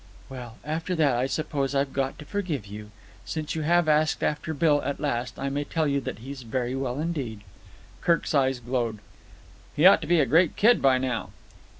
"Well, after that I suppose I've got to forgive you. Since you have asked after Bill at last, I may tell you that he's very well indeed." Kirk's eyes glowed. "He ought to be a great kid by now."